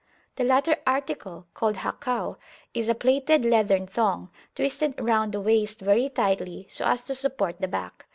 The latter article, called Hakw, is a plaited leathern thong, twisted round the waist very tightly, so as to support the back.